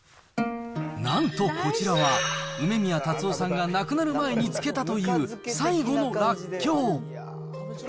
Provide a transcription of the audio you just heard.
なんとこちらは、梅宮辰夫さんが亡くなる前に漬けたという最後のらっきょう。